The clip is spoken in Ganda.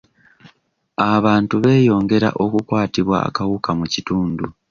Abantu beeyongera okukwatibwa akawuka mu kitundu.